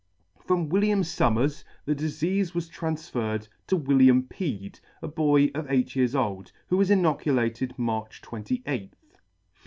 FROM William Summers the difeafe was transferred to William Pead, a boy of eight years old, who was inoculated March 28th.